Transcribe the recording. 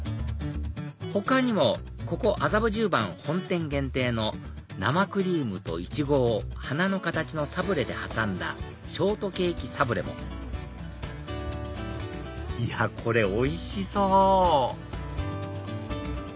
他にもここ麻布十番本店限定の生クリームとイチゴを花の形のサブレで挟んだショートケーキサブレもいやこれおいしそう！